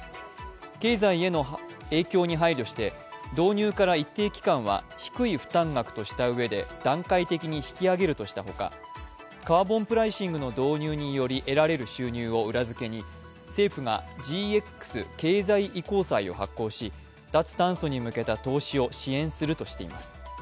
経済への影響に配慮して導入から一定期間は、低い負担額としたうえで、段階的に引き上げるとしたほかカーボンプライシングの導入による得られる収入を裏付けに政府がＧＸ経済移行債を発行し、脱炭素に向けた投資を支援するとしています。